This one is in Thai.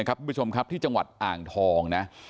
คุณผู้ชมครับที่จังหวัดอ่างทองนะ